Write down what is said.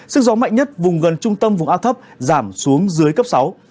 sức gió mạnh nhất vùng gần trung tâm vùng áp thấp giảm xuống dưới cấp sáu